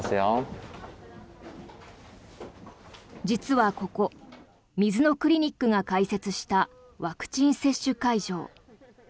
実はここ水野クリニックが開設したワクチン接種会場。